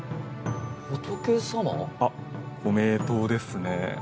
あっ、ご名答ですね。